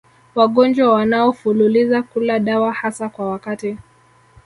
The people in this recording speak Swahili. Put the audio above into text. Wagonjwa wanaofululiza kula dawa hasa kwa wakati